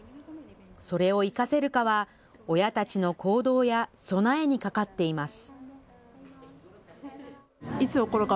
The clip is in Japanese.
それを生かせるかは親たちの行動や備えにかかっています。